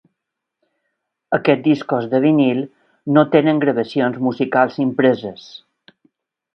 Aquests discs de vinil no tenen gravacions musicals impreses.